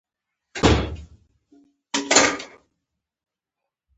ما وویل ریښتیا هم اوریدلي مې دي چې داسې کیږي.